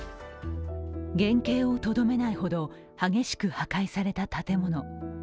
原形をとどめないほど激しく破壊された建物。